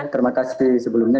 terima kasih sebelumnya